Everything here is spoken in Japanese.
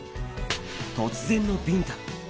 突然のビンタ。